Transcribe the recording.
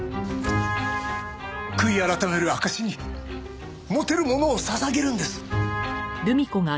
悔い改める証しに持てるものを捧げるんです。